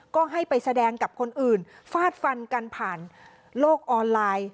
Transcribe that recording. ก็ให้ไปแสดงกับคนอื่นฟาดฟันกันผ่านโลกออนไลน์